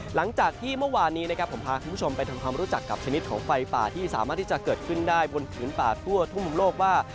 หลังจากที่เมื่อวานนี้นะครับผมพาคุณผู้ชมไปทำความรู้จักกับชนิดของไฟป่าที่สามารถที่จะเกิดขึ้นได้บนผืนป่าทั่วทุ่มโลกว่า